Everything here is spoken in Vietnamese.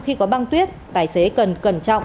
khi có băng tuyết tài xế cần cẩn trọng